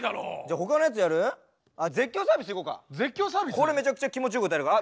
これめちゃくちゃ気持ちよく歌えるから。